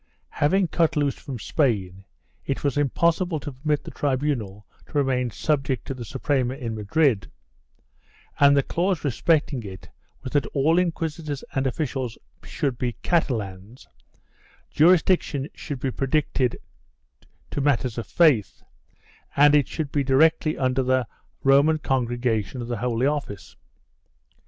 Having cut loose from Spain, it was impossible to permit the tribunal to remain subject to the Suprema in Madrid, and the clause respect ing it was that all inquisitors and officials should be Catalans, jurisdiction should be restricted to matters of faith, and it should be directly under the Roman Congregation of the Holy Office.